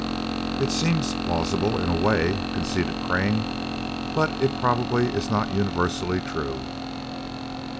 "It seems plausible, in a way," conceded Crane, "but it probably is not universally true."